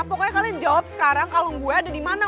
pokoknya kalian jawab sekarang kalung gue ada dimana